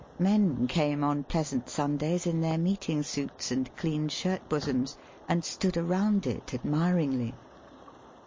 Men came on pleasant Sun days, in their meeting suits and clean shirt bosoms, and stood around it admiringly.